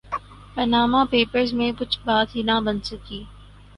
Panama papers میں کچھ بات نہ بن سکی۔